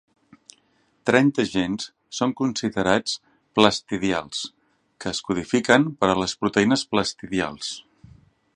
Trenta gens són considerats "plastidials", que es codifiquen per a les proteïnes plastidials.